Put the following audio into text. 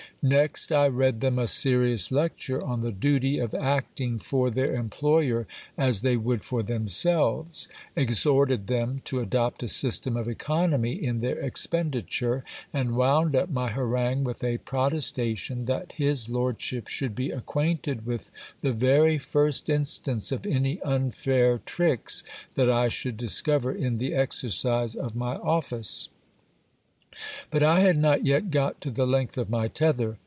Next I read them a serious lecture on the duty of acting for their employer as they would for themselves ; exhorted them to adopt a system of economy in their expenditure; and wound up my harangue with a protestation, that his lordship should be acquainted with the very first instance of any unfair tricks that I should discover in the exercise of my office. But I had not yet got to the length of my tether.